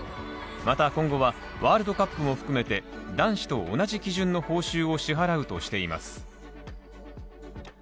また今後は、ワールドカップも含めて男子と同じ基準の報酬を支払うとしています。